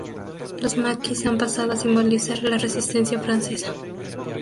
Los maquis han pasado a simbolizar la resistencia francesa.